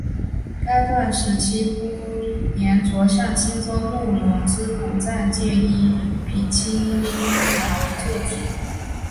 这段时期呼延灼向青州慕容知府暂借一匹青鬃马为坐骑。